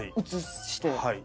はい。